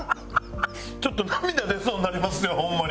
ちょっと涙出そうになりますよホンマに。